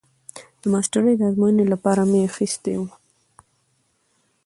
د ماسترۍ د ازموينې لپاره مې اخيستي وو.